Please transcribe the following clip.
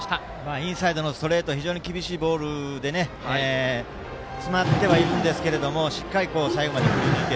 インサイドのストレート非常に厳しいボールで詰まってはいましたがしっかり最後まで振りぬいた。